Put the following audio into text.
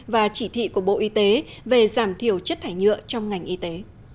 và chỉ thị của bộ y tế về giảm thiểu chất thải nhựa trong ngành y tế